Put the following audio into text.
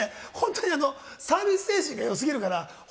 サービス精神が良すぎるから。